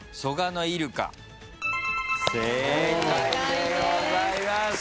正解でございます。